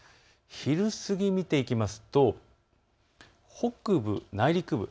昼過ぎを見ていくと北部、内陸部